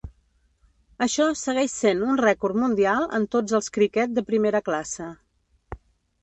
Això segueix sent un rècord mundial en tots els criquet de primera classe.